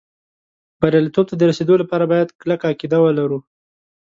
بریالېتوب ته د رسېدو لپاره باید کلکه عقیده ولرو